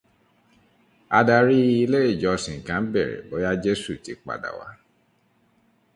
Adarí ilé ìjọsìn kan bèrè bóyá jésù ti padà wá